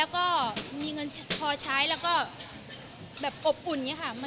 แล้วก็มีเงินพอใช้แล้วก็แบบอบอุ่นอย่างนี้ค่ะ